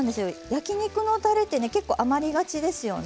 焼き肉のたれってね結構余りがちですよね。